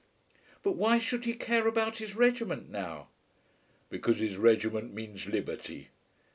"But why should he care about his regiment now?" "Because his regiment means liberty."